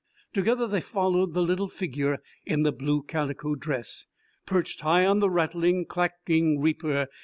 Together they followed the little figure in the blue calico dress, perched high on the rattling, clacking reaper.